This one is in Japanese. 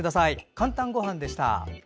「かんたんごはん」でした。